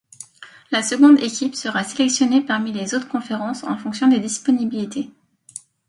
La seconde équipe sera sélectionnée parmi les autres conférences en fonction des disponibilités.